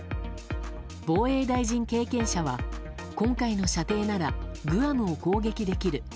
防衛大臣経験者は今回の射程ならグアムを攻撃できる。